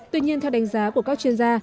tuy nhiên theo đánh giá của các chuyên gia